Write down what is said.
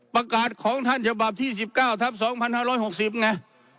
ประกาศของท่านฉบับที่๑๙ทับ๒๕๖๐ไง